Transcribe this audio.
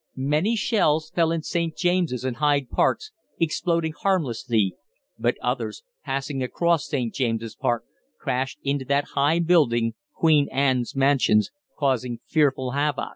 Many shells fell in St. James's and Hyde Parks, exploding harmlessly, but others, passing across St. James's Park, crashed into that high building, Queen Anne's Mansions, causing fearful havoc.